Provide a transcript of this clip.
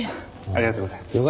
ありがとうございます。